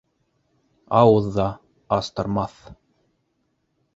Ауыҙ ҙа астырмаҫ.